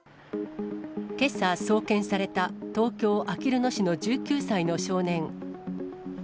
けさ、送検された東京・あきる野市の１９歳の少年。